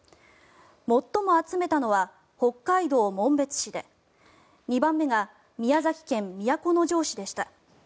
最も集めたのは北海道紋別市で２番目が宮崎県都城市でした。